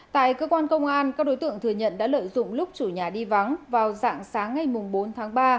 tại cơ quan công an các đối tượng thừa nhận đã lợi dụng lúc chủ nhà đi vắng vào dạng sáng ngày bốn tháng ba